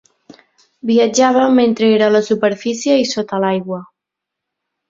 Viatjava mentre era a la superfície i sota l'aigua.